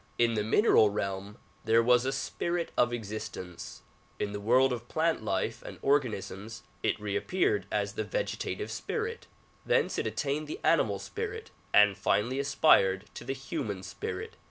In the mineral DISCOURSES DELIVERED IN CHICAGO 85 realm there was a spirit of existence ; in the world of plant life and organisms it reappeared as the vegetative spirit ; thence it attained the animal spirit and finally aspired to the human spirit.